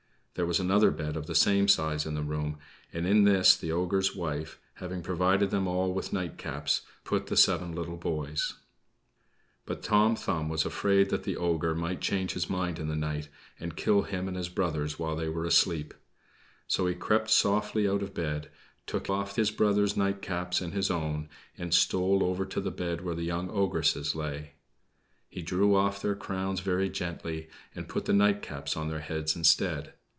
There was another bed of the same size in the room, and in this the ogre's wife, having provided them all with nightcaps, put the seven little boys. But Tom Thumb was afraid that the ogre might change his mind in the night, and kill him and his brothers while they were asleep. So he crept softly out of bed, took off his brothers' nightcaps and his own, and stole over to the bed where the young ogresses lay. He drew off their crowns very gently, and put the nightcaps on their heads instead.